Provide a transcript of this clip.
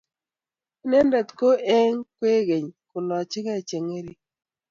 Inendet ko eng kwekeny kolachekei chengering